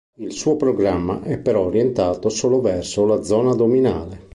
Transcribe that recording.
Il suo programma è però orientato solo verso la zona addominale.